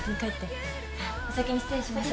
お先に失礼します。